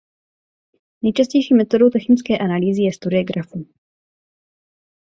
Nejčastější metodou technické analýzy je studie grafů.